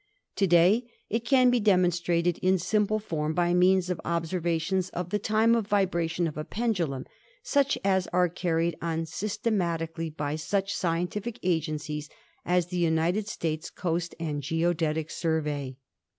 To day it can be demonstrated in simple form by means of observations of the time of vibration of a pendulum, such as are carried on systemati cally by such scientific agencies as the United States Coast and Geodetic Survey.